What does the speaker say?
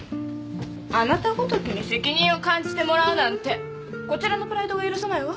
あなたごときに責任を感じてもらうなんてこちらのプライドが許さないわ。